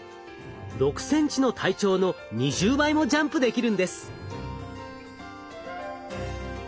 ６ｃｍの体長の２０倍もジャンプできるんです。